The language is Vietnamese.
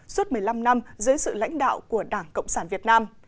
suốt một mươi năm năm dưới sự lãnh đạo của đảng cộng sản việt nam